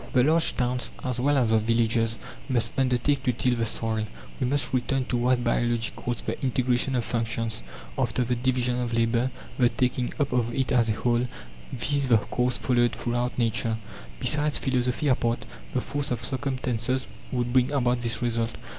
The large towns, as well as the villages, must undertake to till the soil. We must return to what biology calls "the integration of functions" after the division of labour, the taking up of it as a whole this is the course followed throughout Nature. Besides, philosophy apart, the force of circumstances would bring about this result.